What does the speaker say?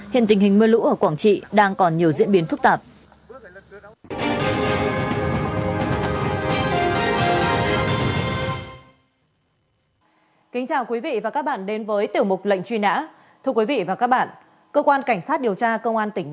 sạt lở nói trên hiện tình hình mưa lũ ở quảng trị